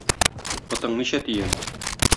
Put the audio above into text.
Потың ничә тиен?